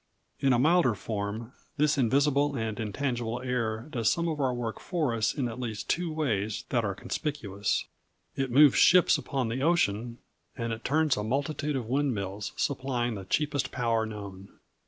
In a milder form, this invisible and intangible air does some of our work for us in at least two ways that are conspicuous: it moves ships upon the ocean, and it turns a multitude of windmills, supplying the cheapest power known.